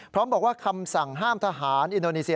พร้อมบอกว่าคำสั่งห้ามทหารอินโดนีเซีย